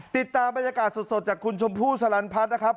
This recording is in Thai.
ติดตามบรรยากาศสดจากคุณชมพู่สลันพัฒน์นะครับ